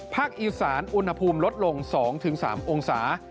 อีสานอุณหภูมิลดลง๒๓องศา